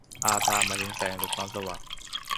อาภา หมายถึงแสงหรือความสว่าง